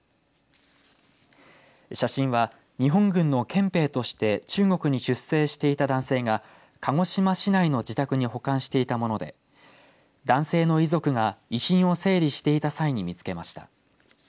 写真は日本軍の憲兵として中国に出征していた男性が鹿児島市内の自宅に保管していたもので男性の遺族が遺品を整理していた際に見つけました。